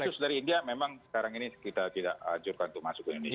tapi khusus dari india memang sekarang ini kita tidak ajurkan untuk masuk ke indonesia